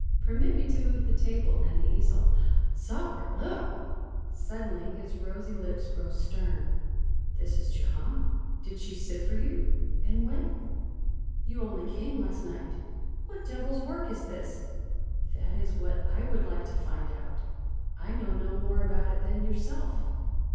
Permit me to move the table and the easel Sacré bleu!" Suddenly his rosy lips grow stern. "This is Jehane. Did she sit for you and when? You only came last night. What devil's work is this?" "That is what I would like to find out; I know no more about it than you yourself.